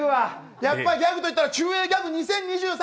やっぱギャグといったらちゅうえいギャグ２０２３